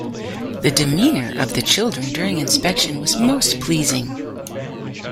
The demeanor of the children during inspection was most pleasing.